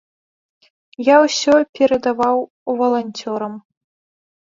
Я ўсё перадаваў валанцёрам.